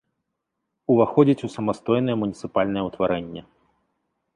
Уваходзіць у самастойнае муніцыпальнае ўтварэнне.